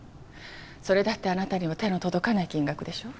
それだってあなたには手の届かない金額でしょ？